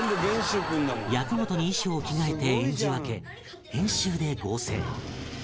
役ごとに衣装を着替えて演じ分け編集で合成